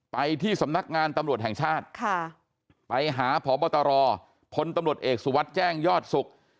ไปที่สำนักงานตำรวจแห่งชาติไปหาพบตรพลตำรวจเอกสุวัสดิ์แจ้งยอดศุกร์